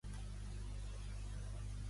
Què critica la Comissió Europea a Espanya?